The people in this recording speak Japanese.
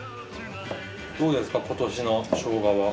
どうですか今年のショウガは？